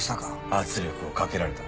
圧力をかけられた。